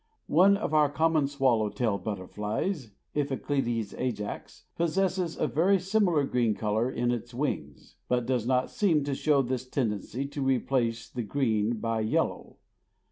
One of our common swallow tail butterflies (Iphiclides ajax) possesses a very similar green color in its wings, but does not seem to show this tendency to replace the green by yellow.